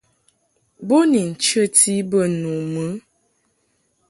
Bo ni nchəti bə nu mɨ.